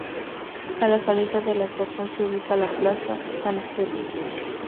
A la salida de la estación se ubica la Plaza San Esteban.